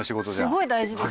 すごい大事ですね。